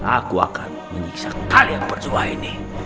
aku akan menyiksa kalian berdua ini